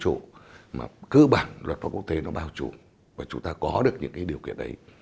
chúng ta cũng có những cái không gian trên không trên vũ trụ mà cơ bản luật pháp quốc tế nó bao trụ và chúng ta có được những cái điều kiện đấy